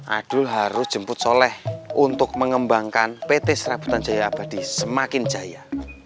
adul harus jemput soleh untuk mengembangkan pt serabutan jaya abadi semakin jaya